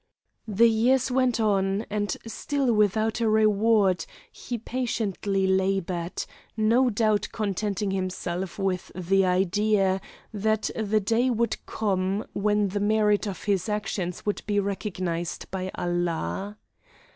The years went on, and still without a reward he patiently labored, no doubt contenting himself with the idea that the day would come when the merit of his actions would be recognized by Allah.